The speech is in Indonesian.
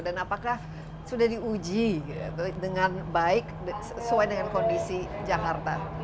dan apakah sudah diuji dengan baik sesuai dengan kondisi jakarta